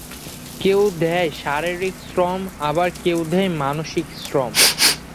কেউ দেয় শারীরিক শ্রম আবার কেউ দেয় মানসিক শ্রম।